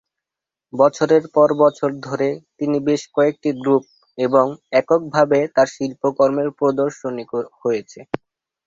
বছরের পর বছর ধরে তিনি বেশ কয়েকটি গ্রুপ এবং একক ভাবে তার শিল্পকর্মের প্রদর্শনী হয়েছে।